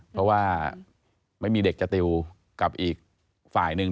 เพราะว่าไม่มีเด็กจะติวกับอีกฝ่ายหนึ่ง